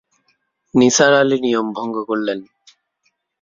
নিসার আলি নিয়ম ভঙ্গ করলেন।